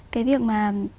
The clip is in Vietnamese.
cái việc mà